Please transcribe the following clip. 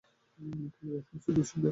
এমনকি শ্রুতির সঙ্গে?